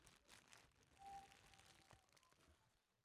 kesi ya kwanza ilimhusisha jean paul akayesu